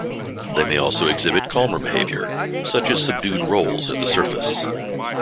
They may also exhibit calmer behavior, such as subdued rolls at the surface.